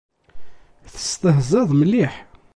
Testehzaḍ mliḥ.